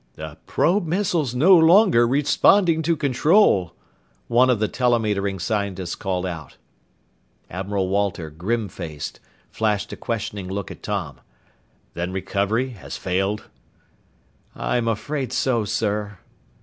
"The probe missile's no longer responding to control!" one of the telemetering scientists called out. Admiral Walter, grim faced, flashed a questioning look at Tom. "Then recovery has failed?" "I'm afraid so, sir."